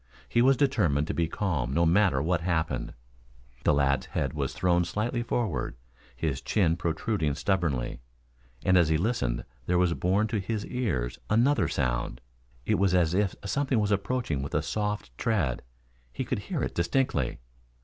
He was determined to be calm no matter what happened. The lad's head was thrown slightly forward, his chin protruding stubbornly, and as he listened there was borne to his ears another sound. It was as if something was approaching with a soft tread. He could hear it distinctly.